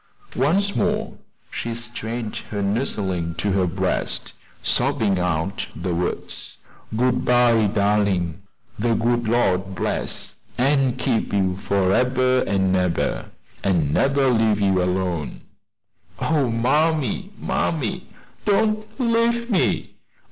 Once more she strained her nursling to her breast, sobbing out the words: "Good by, darlin'! de good Lord bless an' keep you forebber an' ebber, an' nebber leave you alone." "Oh, mammy, mammy, don't leave me!"